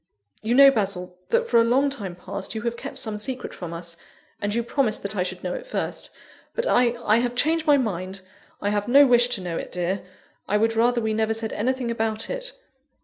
"You know, Basil, that for a long time past, you have kept some secret from us; and you promised that I should know it first; but I I have changed my mind; I have no wish to know it, dear: I would rather we never said anything about it."